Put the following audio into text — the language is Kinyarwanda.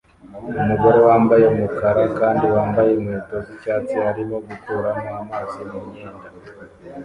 Umugore wambaye umukara kandi wambaye inkweto z'icyatsi arimo gukuramo amazi mumyenda